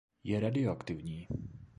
Je radioaktivní.